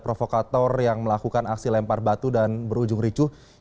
provokator yang melakukan aksi lempar batu dan berujung ricuh di depan kapolis